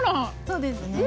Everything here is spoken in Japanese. そうですね。